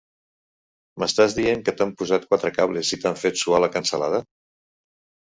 M'estàs dient que t'han posat quatre cables i t'han fet suar la cansalada?